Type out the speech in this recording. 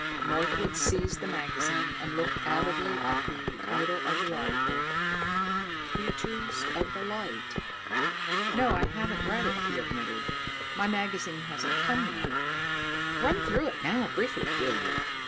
Northwood seized the magazine and looked avidly at the title of the article, "Creatures of the Light." "No, I haven't read it," he admitted. "My magazine hasn't come yet." "Run through it now briefly, will you?